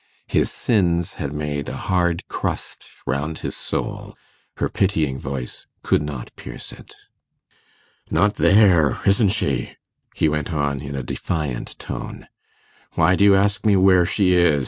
His sins had made a hard crust round his soul; her pitying voice could not pierce it. 'Not there, isn't she?' he went on in a defiant tone. 'Why do you ask me where she is?